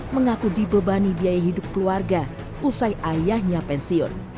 mengaku dibebani biaya hidup keluarga usai ayahnya pensiun